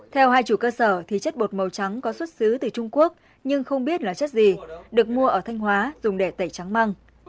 theo hai chủ cơ sở thì chất bột màu trắng có xuất xứ từ trung quốc nhưng không biết là chất gì được mua ở thanh hóa dùng để tẩy trắng măng